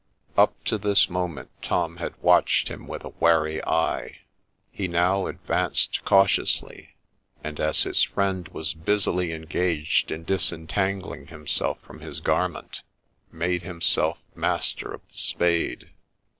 Up to this moment Tom had watched him with a waiy eye : he now advanced cautiously, and, as his friend was busily en gaged in disentangling himself from his garment, made himself master of the spade.